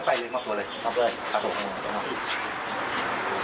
ก็ไปเลยมาตัวเลยครับผมครับผมครับผม